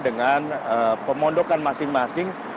dengan pemondokan masing masing